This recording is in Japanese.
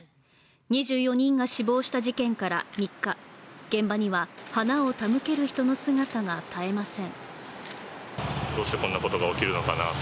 ２４人が死亡した事件から３日、現場には花を手向ける人の姿が絶えません。